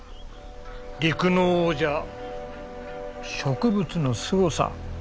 陸の王者植物のすごさ